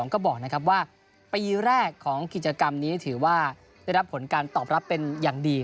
ก็บอกว่าปีแรกของกิจกรรมนี้ถือว่าได้รับผลการตอบรับเป็นอย่างดี